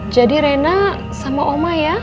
jadi rena sama oma ya